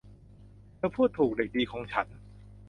เธอพูดถูก เด็กดีของฉัน